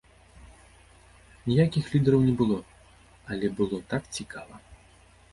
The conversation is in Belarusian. Ніякіх лідараў не было, але было так цікава!